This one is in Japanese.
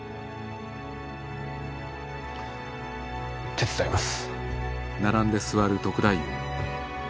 手伝います。